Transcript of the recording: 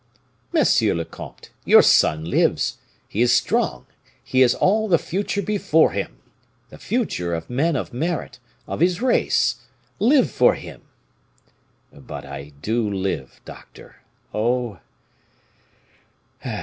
"Monsieur le comte, your son lives, he is strong, he has all the future before him the future of men of merit, of his race; live for him " "But I do live, doctor; oh!